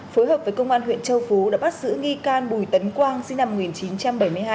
phối hợp với công an huyện châu phú đã bắt giữ nghi can bùi tấn quang sinh năm một nghìn chín trăm bảy mươi hai